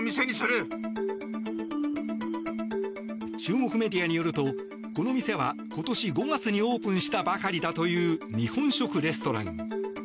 中国メディアによるとこの店は、今年５月にオープンしたばかりだという日本食レストラン。